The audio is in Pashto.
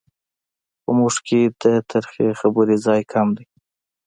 په موږ کې د ترخې خبرې ځای کم دی.